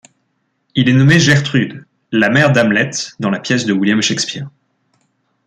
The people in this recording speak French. Il est nommé Gertrude, la mère d'Hamlet dans la pièce de William Shakespeare.